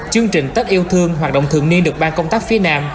chương trình tết yêu thương hoạt động thường niên được ban công tác phía nam